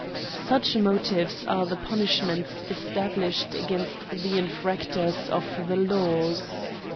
Such motives are the punishments established against the infractors of the laws.